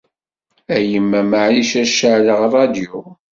A yemma, maɛlic ad ceɛleɣ rradyu?